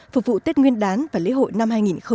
phục vụ tết nguyên đán và lễ hội năm hai nghìn một mươi bảy